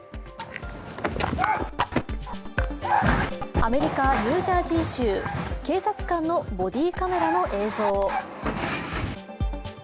アメリカ・ニュージャージー州警察官のボディカメラの映像。